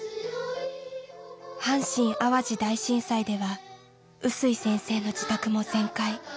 阪神・淡路大震災では臼井先生の自宅も全壊。